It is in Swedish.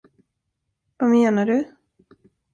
Vad menar du?